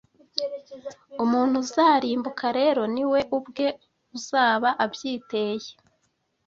Umuntu uzarimbuka rero niwe ubwe uzaba abyiteye